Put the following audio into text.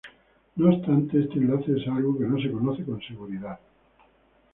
No obstante, este enlace es algo que no se conoce con seguridad.